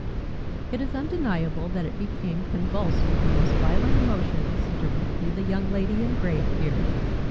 It is undeniable that it became convulsed with the most violent emotions directly the Young Lady in Grey appeared.